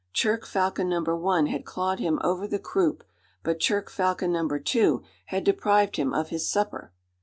Churk falcon number one had clawed him over the croup, but churk falcon number two had deprived him of his supper!